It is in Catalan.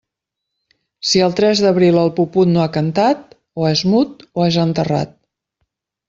Si el tres d'abril el puput no ha cantat, o és mut o és enterrat.